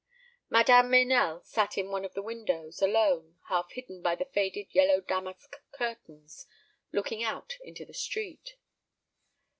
Madame Meynell sat in one of the windows, alone, half hidden by the faded yellow damask curtains, looking out into the street.